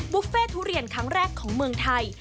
บุฟเฟ่ทุเรียนครั้งแรกของเมืองไทย